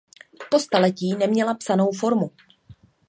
Po staletí neměla psanou formu.